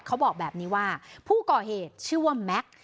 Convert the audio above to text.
เขาบอกแบบนี้ว่าผู้ก่อเหตุชื่อว่าแม็กซ์